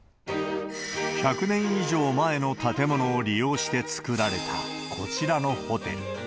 １００年以上前の建物を利用して造られた、こちらのホテル。